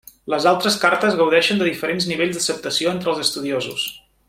Les altres cartes gaudeixen de diferents nivells d'acceptació entre els estudiosos.